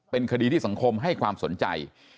เป็นคดีที่สังคมให้ความสนใจ